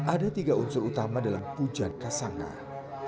ada tiga unsur utama dalam pujian kesangai